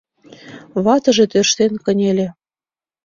Ватыже тӧрштен кынеле.